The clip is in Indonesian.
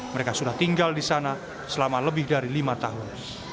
mereka sudah tinggal di sana selama lebih dari lima tahun